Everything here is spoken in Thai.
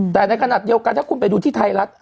แต่ในขณะเดียวกันถ้าคุณไปดูที่ไทยรัฐ